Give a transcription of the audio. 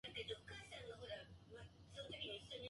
雲が厚くなって雨が降りそうです。